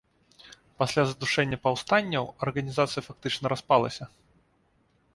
Пасля задушэння паўстанняў арганізацыя фактычна распалася.